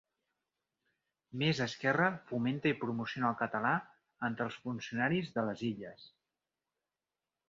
Més esquerra fomenta i promociona el català entre els funcionaris de les Illes